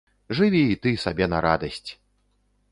Жыві і ты сабе на радасць!